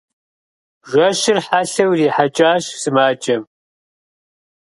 Жэщыр хьэлъэу ирихьэкӀащ сымаджэм.